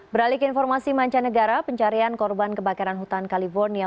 beralik informasi mancanegara pencarian korban kebakaran hutan california